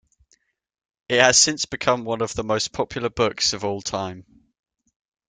It has since become one of the most popular books of all time.